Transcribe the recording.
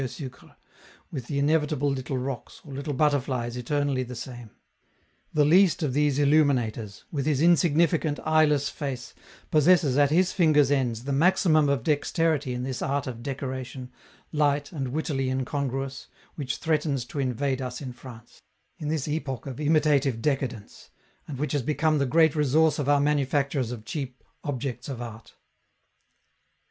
Sucre, with the inevitable little rocks, or little butterflies eternally the same. The least of these illuminators, with his insignificant, eyeless face, possesses at his fingers' ends the maximum of dexterity in this art of decoration, light and wittily incongruous, which threatens to invade us in France, in this epoch of imitative decadence, and which has become the great resource of our manufacturers of cheap "objects of art."